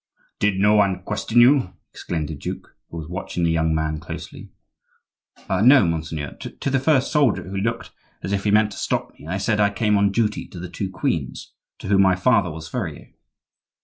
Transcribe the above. "Did no one question you?" exclaimed the duke, who was watching the young man closely. "No, monseigneur. To the first soldier who looked as if he meant to stop me I said I came on duty to the two queens, to whom my father was furrier."